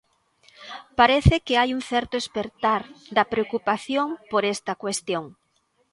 Parece que hai un certo espertar da preocupación por esta cuestión.